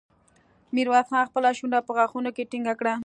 ميرويس خان خپله شونډه په غاښونو کې ټينګه کړه.